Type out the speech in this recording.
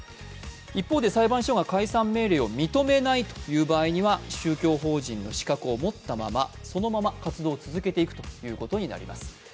一方で裁判所が解散命令を認めないという場合には宗教法人の資格を持ったまま、そのまま活動を続けていくことになります。